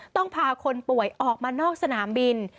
ต้องพาคนป่วยออกมานอกสนามบิน